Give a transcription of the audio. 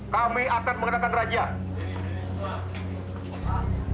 kami akan mengadakan rajian